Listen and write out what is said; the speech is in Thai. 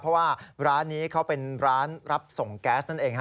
เพราะว่าร้านนี้เขาเป็นร้านรับส่งแก๊สนั่นเอง